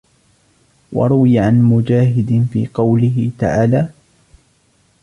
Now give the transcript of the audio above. وَرُوِيَ عَنْ مُجَاهِدٍ فِي قَوْله تَعَالَى